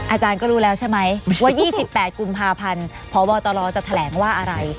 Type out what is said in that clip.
อาจารย์ก็รู้แล้วใช่ไหมว่า๒๘กุมภาพันธ์พบตรจะแถลงว่าอะไร